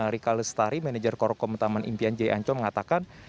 rika lestari manager korokom taman impian jaya ancol mengatakan